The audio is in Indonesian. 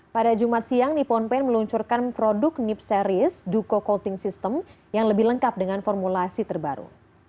pada jumat siang nippon paint meluncurkan produk nip series duko calting system yang lebih lengkap dengan formulasi terbaru